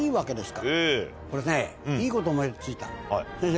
これねいいこと思い付いた先生